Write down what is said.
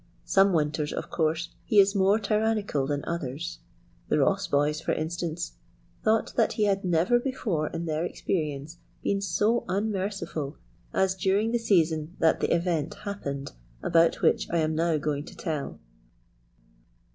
Some winters, of course, he is more tyrannical than others. The Ross boys, for instance, thought that he had never before in their experience been so unmerciful as during the season that the event happened about which I am now going to tell.